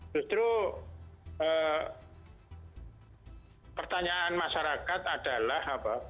justru pertanyaan masyarakat adalah